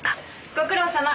ご苦労さま。